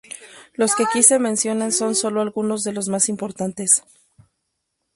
Los que aquí se mencionan son solo algunos de los más importantes.